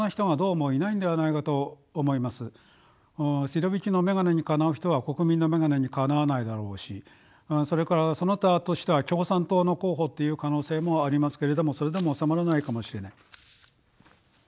シロビキの眼鏡にかなう人は国民の眼鏡にかなわないだろうしそれからその他としては共産党の候補っていう可能性もありますけれどもそれでも収まらないかもしれない。